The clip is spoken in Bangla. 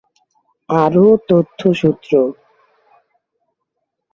আরো তথ্যসূত্র